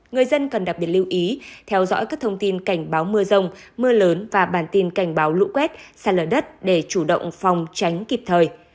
người dân cần đặc biệt lưu ý theo dõi các thông tin cảnh báo mưa rông mưa lớn và bản tin cảnh báo lũ quét sạt lở đất để chủ động phòng tránh kịp thời